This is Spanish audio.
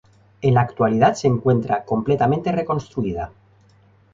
En la actualidad se encuentra completamente reconstruida.